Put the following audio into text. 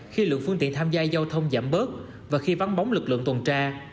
khi lượng phương tiện tham gia giao thông giảm bớt và khi vắng bóng lực lượng tuần tra